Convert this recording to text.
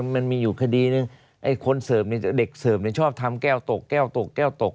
มันมีอยู่คดีหนึ่งไอ้คนเสิร์ฟเด็กเสิร์ฟชอบทำแก้วตกแก้วตกแก้วตก